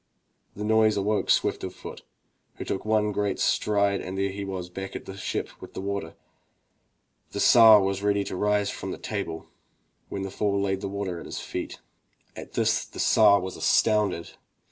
The noise awoke Swift of foot, who took one great stride and there he was back at the ship with the water. The Tsar was just ready to rise from the table, when the fool laid the water at his feet. At this the Tsar was astounded.